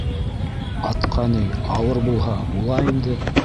Атҡа, ней, ауыр булһа, була инде.